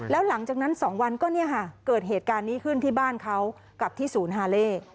แล้วหลังจากนั้น๒วันก็เนี่ยค่ะเกิดเหตุการณ์นี้ขึ้นที่บ้านเขากับที่ศูนย์ฮาเล่